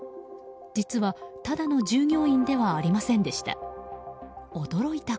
実は、ただの従業員ではありませんでした。